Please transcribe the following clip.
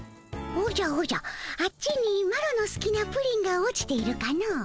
おじゃおじゃあっちにマロのすきなプリンが落ちているかの？